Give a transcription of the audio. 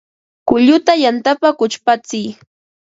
Kulluta yantapa kuchpatsiy